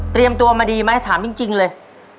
เตรียมตัวมาดีมั้ยถามจริงเลย